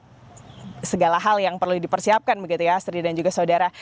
ada segala hal yang perlu dipersiapkan begitu ya sri dan juga saudara